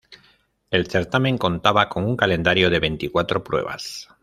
El certamen contaba con un calendario de veinticuatro pruebas.